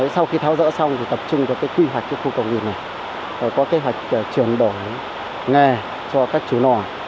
sau khi tháo rỡ xong thì tập trung cho quy hoạchnat thao dỡif tạo nghề cho các chủ lò